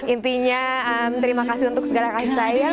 intinya terima kasih untuk segala kasih sayang